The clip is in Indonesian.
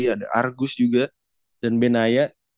ada argus juga dan benaya